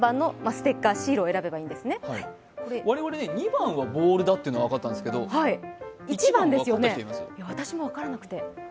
２番はボールだというのは分かったんですけど、私も分からなくて。